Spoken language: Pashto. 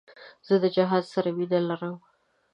زه د جهاد سره مینه لرم.